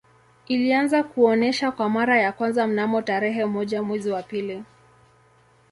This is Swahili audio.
Ilianza kuonesha kwa mara ya kwanza mnamo tarehe moja mwezi wa pili